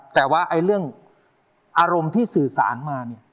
แต่ว่าอารมณ์ที่สื่อสารมา